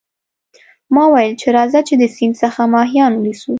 ما وویل چې راځه چې د سیند څخه ماهیان ونیسو.